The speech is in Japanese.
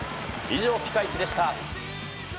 以上、ピカイチでした。